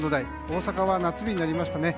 大阪は夏日になりましたね。